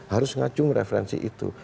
harus ngacung referensi itu